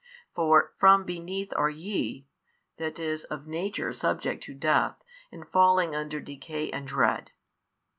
For from, beneath are ye, that is of nature subject to death and falling under decay and dread.